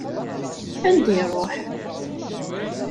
Anda iruḥ?